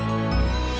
nanti kita berbicara